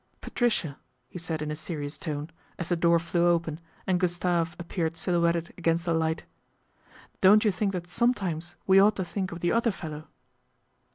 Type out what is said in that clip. " Patricia," he said in a serious tone, as the door flew open and Gustave appeared silhouetted against the light, " don't you think that sometimes we ought to think of the other fellow